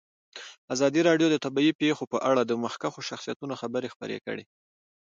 ازادي راډیو د طبیعي پېښې په اړه د مخکښو شخصیتونو خبرې خپرې کړي.